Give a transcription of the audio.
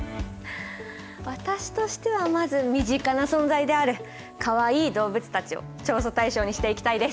私としてはまず身近な存在であるかわいい動物たちを調査対象にしていきたいです。